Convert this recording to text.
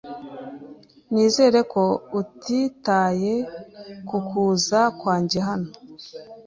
Nizere ko utitaye ku kuza kwanjye hano.